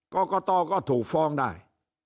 กรกตก็ถูกฟ้องได้